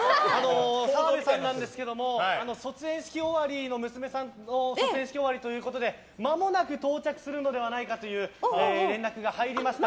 澤部さんなんですけども娘さんの卒園式終わりということでまもなく到着するのではないかという連絡が入りました。